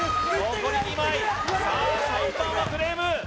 残り２枚さあ３番はフレーム